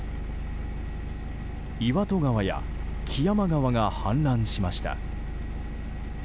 岩戸川や木山川が氾濫しました。